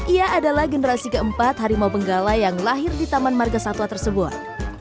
ia adalah generasi keempat harimau benggala yang lahir di taman marga satwa tersebut